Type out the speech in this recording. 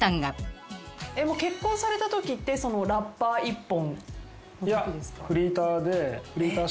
結婚されたときってラッパー１本？